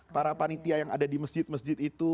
para panitia yang ada di masjid masjid itu